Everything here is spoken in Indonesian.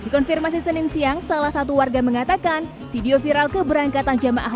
konfirmasi senin siang salah satu warga mengatakan video viral keberangkatan jamaah